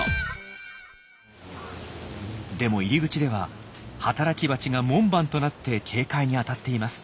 でも入り口では働きバチが門番となって警戒に当たっています。